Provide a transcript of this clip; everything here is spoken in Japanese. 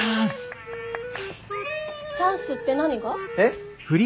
チャンスって何が？え？